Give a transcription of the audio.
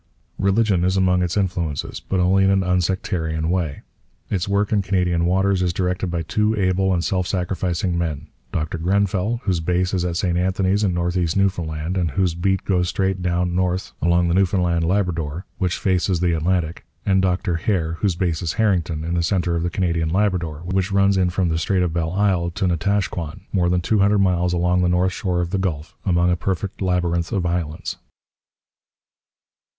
Religion is among its influences, but only in an unsectarian way. Its work in Canadian waters is directed by two able and self sacrificing men: Dr Grenfell, whose base is at St Anthony's in North East Newfoundland, and whose beat goes straight down north along the Newfoundland Labrador, which faces the Atlantic; and Dr Hare, whose base is Harrington, in the centre of the Canadian Labrador, which runs in from the Strait of Belle Isle to Natashquan, more than two hundred miles along the north shore of the Gulf, among a perfect labyrinth of islands.